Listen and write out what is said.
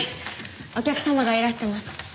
お客様がいらしてます。